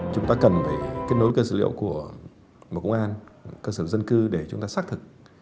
chúng ta cần phải kết nối cơ dữ liệu của bộ công an cơ sở dân cư để chúng ta xác thực